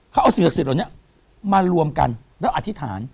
เขาเอาสิ่งศักดิ์เหล่านี้มารวมกันแล้วอธิษฐาน